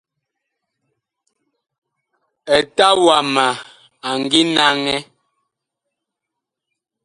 Eta wama a ngi naŋɛ.